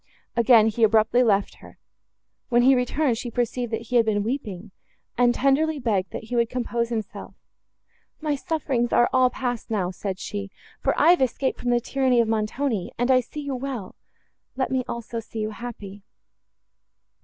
Again he abruptly left her. When he returned, she perceived that he had been weeping, and tenderly begged, that he would compose himself. "My sufferings are all passed now," said she, "for I have escaped from the tyranny of Montoni, and I see you well—let me also see you happy."